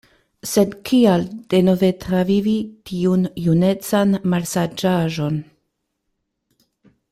Sed kial denove travivi tiun junecan malsaĝaĵon?